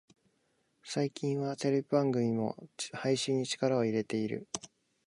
最近はテレビ番組も配信に力を入れてる